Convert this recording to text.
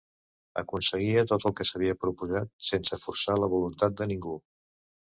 Aconseguia tot el que s’havia proposat sense forçar la voluntat de ningú.